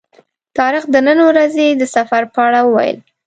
طارق د نن ورځې د سفر په اړه وویل.